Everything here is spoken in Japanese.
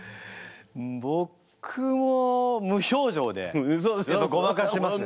僕も無表情でやっぱごまかしますね。